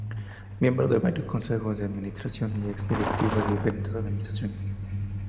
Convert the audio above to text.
Miembro de varios Consejos de Administración y ex directivo de diferentes Organizaciones.